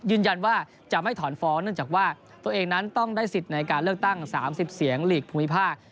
ยืนยันว่าจะไม่ถอนฟ้องเนื่องจากว่าตัวเองนั้นต้องได้สิทธิ์ในการเลือกตั้ง๓๐เสียงหลีกภูมิภาค